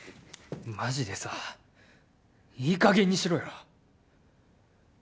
マジでさいいかげんにしろよ